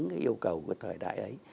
những cái yêu cầu của thời đại ấy